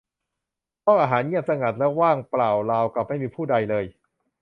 ห้องอาหารเงียบสงัดและว่างเปล่าราวกับไม่มีผู้ใดเลย